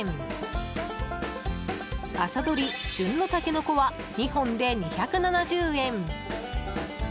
朝どり、旬のタケノコは２本で２７０円。